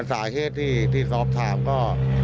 สาเหตุที่สอบถามก็